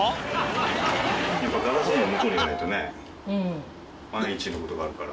やっぱガラス戸の向こうに入れないとね万一の事があるから。